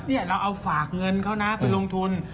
นี่เราเอาฝากเงินเขานะไปลงทุน